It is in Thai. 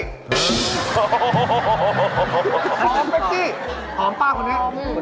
หอมเป๊กกี้หอมป้าคนนี้